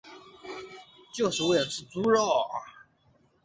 就是为了吃猪肉